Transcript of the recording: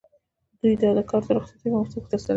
دوی دا کار د رخصتیو په موسم کې ترسره کوي